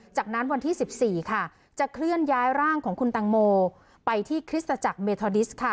จากนั้นวันที่๑๔ค่ะจะเคลื่อนย้ายร่างของคุณตังโมไปที่คริสตจักรเมทอดิสค่ะ